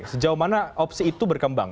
sejauh mana opsi itu berkembang